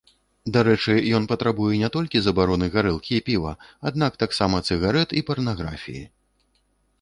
Дарэчы, ён патрабуе не толькі забароны гарэлкі і піва, аднак таксама цыгарэт і парнаграфіі.